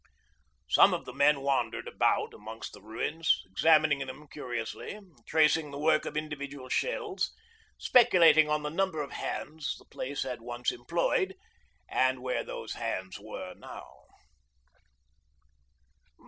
Some of the men wandered about amongst the ruins, examining them curiously, tracing the work of individual shells, speculating on the number of hands the place had once employed, and where those hands were now.